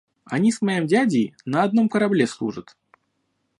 – Они с моим дядей на одном корабле служат.